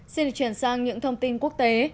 xin được chuyển sang những thông tin quốc tế